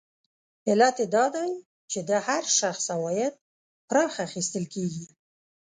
علت یې دا دی چې د هر شخص عواید پراخه اخیستل کېږي